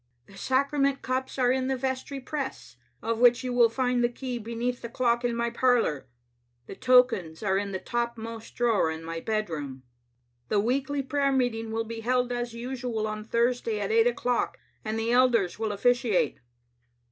The Sacra ment cups are in the vestry press, of which you will find the key beneath the clock in my parlor. The tokens are in the topmost drawer in my bedroom. " The weekly prayer meeting will be held as usual on Thursday at eight o'clock, and the elders will oflS ciate.